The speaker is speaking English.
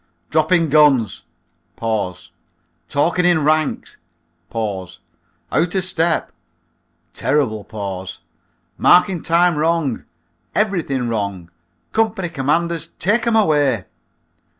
Dropping guns! Talking in ranks! Out o step (terrible pause). Marking time wrong. Everything wrong! Company commanders, take 'em away."